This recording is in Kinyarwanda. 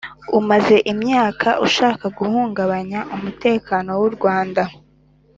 umaze imyaka ushaka guhungabanya umutekano w’u rwanda,